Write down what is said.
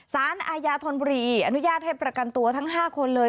สารอาญาธนบุรีอนุญาตให้ประกันตัวทั้ง๕คนเลย